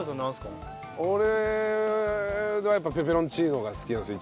俺はやっぱペペロンチーノが好きなんですよ